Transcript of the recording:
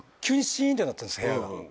ってなったんです部屋が。